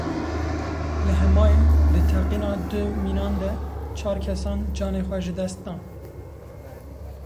Li Hemayê di teqîna du mînan de çar kesan canê xwe ji dest dan.